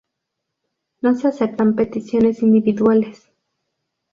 No se aceptan peticiones individuales.